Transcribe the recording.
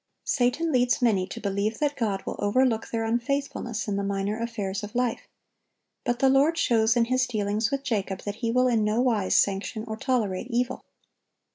Satan leads many to believe that God will overlook their unfaithfulness in the minor affairs of life; but the Lord shows in His dealings with Jacob that He will in no wise sanction or tolerate evil.